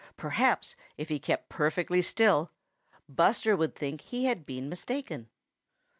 Perhaps, if he kept perfectly still, Buster would think he had been mistaken.